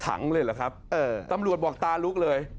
เลยเหรอครับตำรวจบอกตาลุกเลย